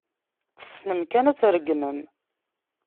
Tessnem kan ad tregmem.